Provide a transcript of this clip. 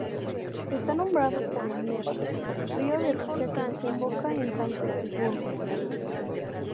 Está nombrado por el Nevá, río de Rusia que desemboca en San Petersburgo.